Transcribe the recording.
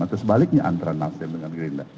atau sebaliknya antara nasdem dengan gerindra